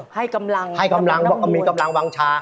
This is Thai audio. ให้กำลังมีกำลังวางชา